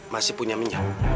masih punya minyak